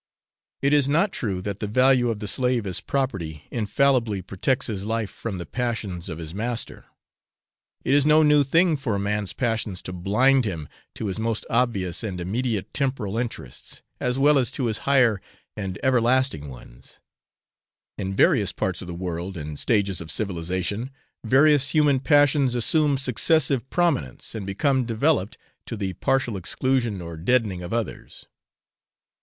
It is not true that the value of the slave as property infallibly protects his life from the passions of his master. It is no new thing for a man's passions to blind him to his most obvious and immediate temporal interests, as well as to his higher and everlasting ones, in various parts of the world and stages of civilisation, various human passions assume successive prominence, and become developed, to the partial exclusion or deadening of others.